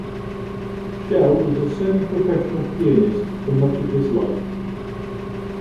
Schell was a semi-professional pianist for much of his life.